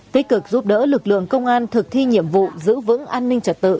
tích cực giúp đỡ lực lượng công an thực thi nhiệm vụ giữ vững an ninh trật tự